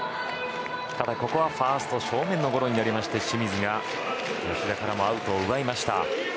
ただファースト正面のゴロになって清水が吉田からもアウトを奪いました。